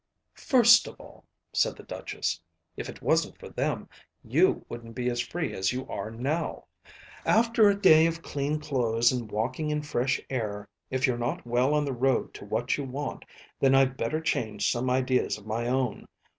"First of all," said the Duchess, "if it wasn't for them, you wouldn't be as free as you are now. After a day of clean clothes and walking in fresh air, if you're not well on the road to what you want, then I'd better change some ideas of my own.